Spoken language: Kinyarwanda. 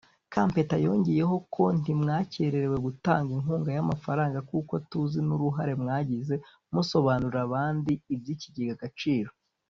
Kampeta yongeyeho ko ntimwakererewe gutanga inkunga y’amafaranga kuko tuzi n’uruhare mwagize musobanurira abandi iby’ikigega Agaciro